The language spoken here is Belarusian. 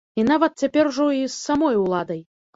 І нават, цяпер ужо і з самой уладай.